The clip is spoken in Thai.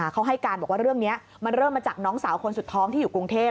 เขาให้การบอกว่าเรื่องนี้มันเริ่มมาจากน้องสาวคนสุดท้องที่อยู่กรุงเทพ